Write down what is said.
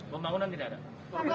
pembangunan tidak ada